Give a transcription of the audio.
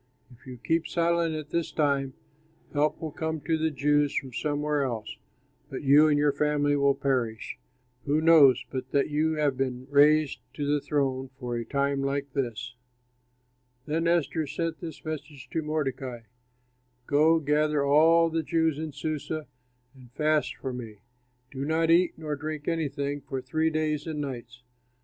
If you keep silent at this time, help will come to the Jews from somewhere else, but you and your family will perish. Who knows but that you have been raised to the throne for a time like this?" Then Esther sent this message to Mordecai: "Go, gather all the Jews in Susa and fast for me; do not eat nor drink anything for three days and nights.